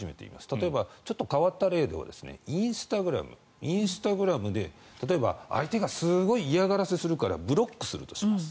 例えば、ちょっと変わった例ではインスタグラムで例えば、相手がすごい嫌がらせをするからブロックするとします。